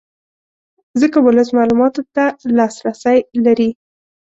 ځکه ولس معلوماتو ته لاسرې لري